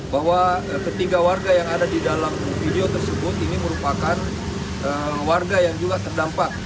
bahwa ketiga warga yang ada di dalam video tersebut ini merupakan warga yang juga terdampak